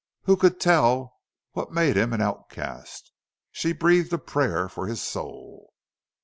Who could tell what had made him an outcast? She breathed a prayer for his soul.